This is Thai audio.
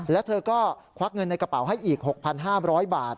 แล้วเธอก็ควักเงินในกระเป๋าให้อีก๖๕๐๐บาท